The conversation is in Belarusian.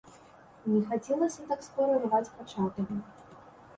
Не хацелася так скора рваць пачатага.